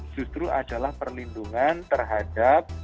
justru adalah perlindungan terhadap